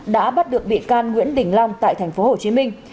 đã bắt được bị can nguyễn đình long tại thành phố hồ chí minh